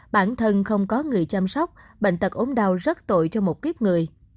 bản thân không có người chăm sóc bệnh tật ốm đau rất tội cho một kiếp người